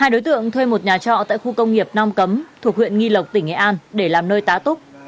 hai đối tượng thuê một nhà trọ tại khu công nghiệp nong cấm thuộc huyện nghi lộc tỉnh nghệ an để làm nơi tá túc